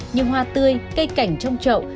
như hoa tươi cây cảnh trong trậu